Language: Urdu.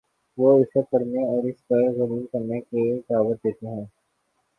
وہ اسے پڑھنے اور اس پر غور کرنے کی دعوت دیتے ہیں۔